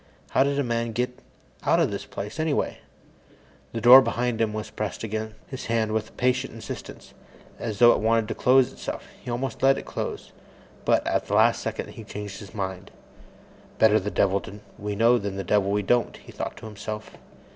How did a man get out of this place, anyway? The door behind him was pressing against his hand with a patient insistence, as though it wanted to close itself. He almost let it close, but, at the last second, he changed his mind. Better the devil we know than the devil we don't, he thought to himself.